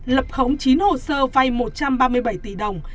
lập khống chín hồ sơ vay một trăm ba mươi bảy tỷ đồng